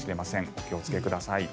お気をつけください。